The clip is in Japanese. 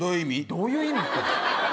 どういう意味って。